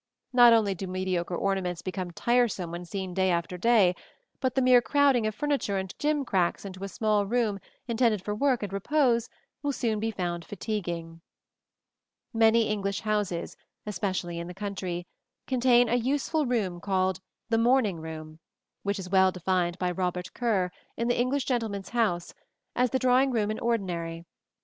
Not only do mediocre ornaments become tiresome when seen day after day, but the mere crowding of furniture and gimcracks into a small room intended for work and repose will soon be found fatiguing. Many English houses, especially in the country, contain a useful room called the "morning room," which is well defined by Robert Kerr, in The English Gentleman's House, as "the drawing room in ordinary."